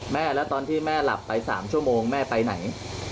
แม่แล้วตอนที่แม่หลับไป๓ชั่วโมงแม่ไปไหน